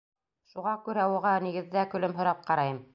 Шуға күрә уға, нигеҙҙә, көлөмһөрәп ҡарайым.